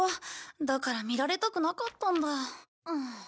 だから見られたくなかったんだ。